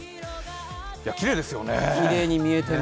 きれいですよね。